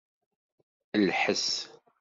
Lḥes.